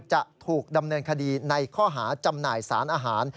จะถูกดำเนินคดีในข้อหาจำหน่ายสารอาหาร